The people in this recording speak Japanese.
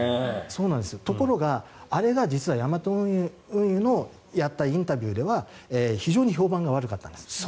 ところがあれがヤマト運輸のやったインタビューでは非常に評判が悪かったんです。